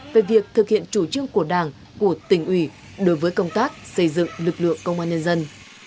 về việc thực hiện chủ trương của đảng của tỉnh ủy đối với công tác xây dựng lực lượng công an nhân dân